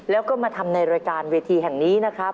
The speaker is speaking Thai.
แล้วก็มาทำในรายการเวทีแห่งนี้นะครับ